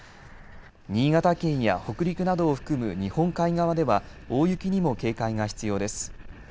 新潟県や北陸などを含む日本海側では大雪にも警戒が必要です。